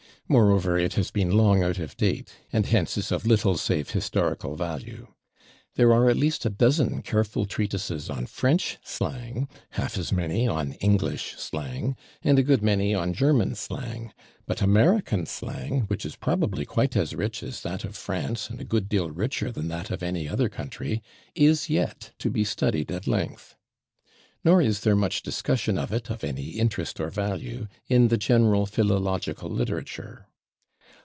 Moreover, it has been long out of date, and hence is of little save historical value. There are at least a dozen careful treatises on French slang, half as many on English slang, and a good many on German slang, but American slang, which is probably quite as rich as that of France and a good deal richer than that of any other country, is yet to be studied at length. Nor is there much discussion of it, of any interest or value, in the general philological literature.